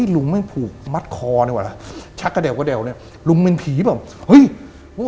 ไอ้ลุงแม่งผูกมัดคอนี่หว่าลูงเป็นพีย์ป่ะ